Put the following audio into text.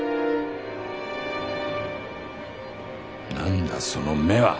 何だその目は。